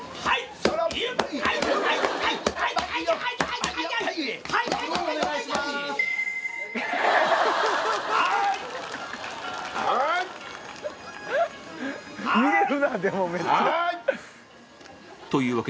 はい。